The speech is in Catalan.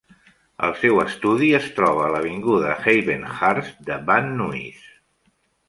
El seu estudi es troba a l'avinguda Hayvenhurst de Van Nuys.